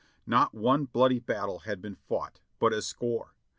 Not one bloody battle had been fought, but a score.